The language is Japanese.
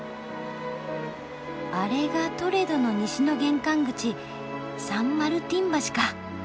あれがトレドの西の玄関口サン・マルティン橋か。